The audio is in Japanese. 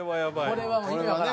これはもう意味わからん。